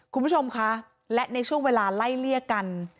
คุณผู้ชมคะและในช่วงเวลาไล่เลี่ยกัน